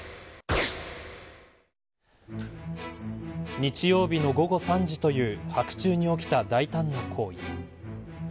日曜日の午後３時という白昼に起きた大胆な行為。